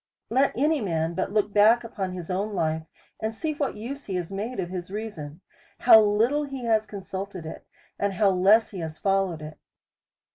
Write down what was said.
Let any man but look back upon his own life, and see what use he has made of his reason, how little he has consulted it, and how less he has followed it.